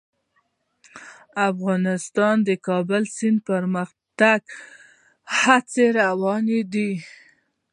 افغانستان کې د د کابل سیند د پرمختګ هڅې روانې دي.